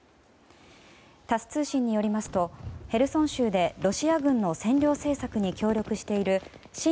タス通信によりますとへルソン州でロシア軍の占領政策に協力している親